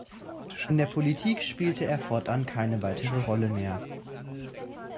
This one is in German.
In der Politik spielte er fortan keine weitere Rolle mehr.